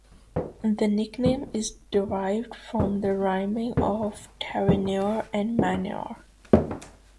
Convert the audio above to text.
The nickname is derived from the rhyming of "Terenure" and "manure".